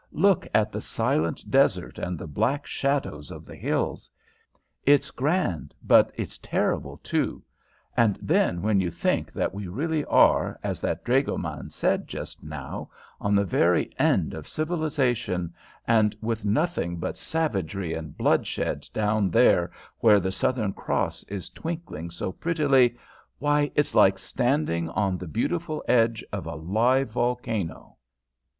"Look at the silent desert and the black shadows of the hills. It's grand, but it's terrible, too; and then when you think that we really are, as that dragoman said just now, on the very end of civilisation, and with nothing but savagery and bloodshed down there where the Southern Cross is twinkling so prettily, why, it's like standing on the beautiful edge of a live volcano."